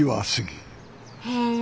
へえ